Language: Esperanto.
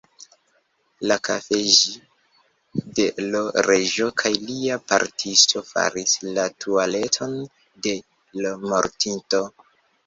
La _kafeĝi_ de l' Reĝo kaj lia portisto faris la tualeton de l' mortinto.